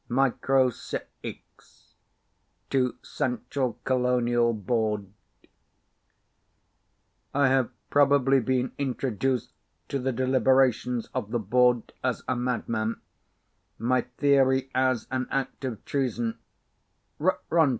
From MIRO CIX To Central Colonial Board I have probably been introduced to the deliberations of the Board as a madman, my theory as an act of treason.